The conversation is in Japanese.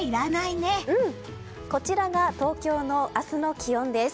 こちらが東京の明日の気温です。